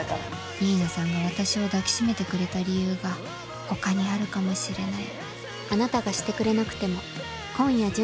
新名さんが私を抱きしめてくれた理由が他にあるかもしれない。